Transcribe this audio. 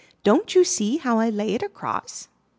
Don't you see how I lay it across?"